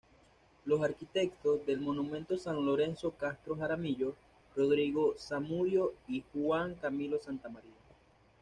Los arquitectos del monumento son Lorenzo Castro Jaramillo, Rodrigo Zamudio, y Juan Camilo Santamaría.